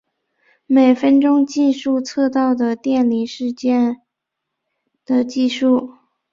每分钟计数测到的电离事件的计数。